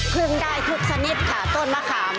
พึ่งได้ทุกชนิดค่ะต้นมะขาม